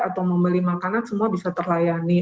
atau membeli makanan semua bisa terlayani